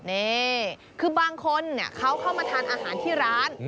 นี่คือบางคนเขาเข้ามาทานอาหารที่ร้าน